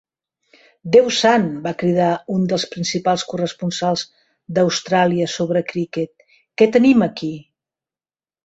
"Déu sant", va cridar un dels principals corresponsals d'Austràlia sobre cricket, "què tenim aquí?"